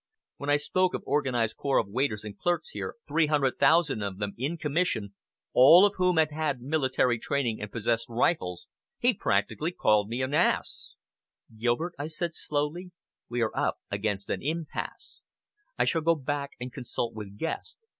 When I spoke of organized corps of waiters and clerks here, 300,000 of them, in commission, all of whom had had military training and possessed rifles, he practically called me an ass." "Gilbert," I said slowly, "we are up against an impasse. I shall go back and consult with Guest.